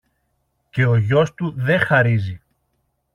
και ο γιος του δε χαρίζει.